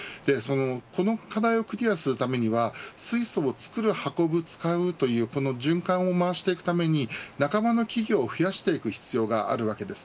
この課題をクリアするためには水素を作る、運ぶ、使うというこの循環を回していくために仲間の企業を増やしていく必要があるわけです。